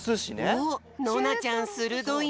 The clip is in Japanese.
おっノナちゃんするどいね。